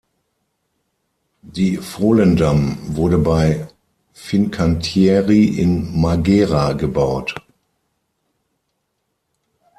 Die "Volendam" wurde bei Fincantieri in Marghera gebaut.